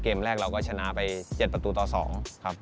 เกมแรกเราก็ชนะไป๗ประตูต่อ๒ครับ